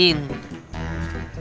lo yang salah mas